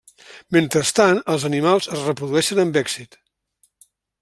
Mentrestant, els animals es reprodueixen amb èxit.